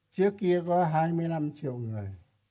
trước kia có hai mươi năm triệu người